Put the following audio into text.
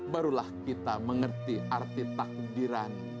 barulah kita mengerti arti takbiran